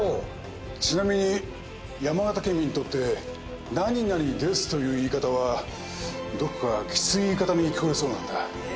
ちなみに山形県民にとって「○○です」という言い方はどこかきつい言い方に聞こえるそうなんだ。